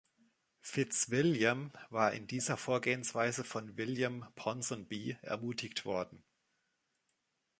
FitzWilliam war in dieser Vorgehensweise von William Ponsonby ermutigt worden.